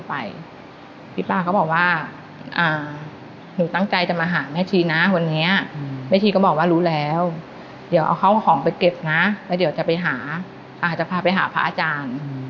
พี่ป๊าเขาก็ลงไปเดี๋ยวเอาของไปเก็บนะเดี๋ยวจะไปหาพระอาจารย์